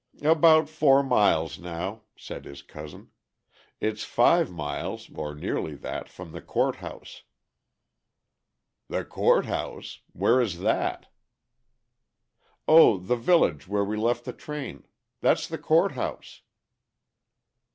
"About four miles now," said his cousin. "It's five miles, or nearly that, from the Court House." "The court house? Where is that?" "O the village where we left the train! That's the Court House."